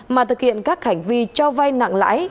mà thực hiện các hành vi cho vay nặng lãi